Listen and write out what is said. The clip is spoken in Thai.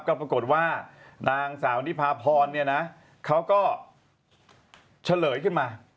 ก็ปรากฏว่านางสาวนิพาพรเนี่ยนะเขาก็เฉลยขึ้นมา